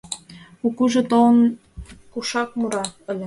Кукужо, толын, кушак мура ыле?